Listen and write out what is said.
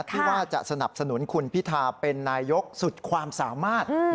ที่ว่าจะสนับสนุนคุณพิธาเป็นนายกสุดความสามารถ